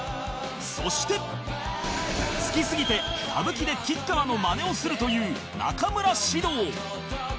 そして好きすぎて歌舞伎で吉川のマネをするという中村獅童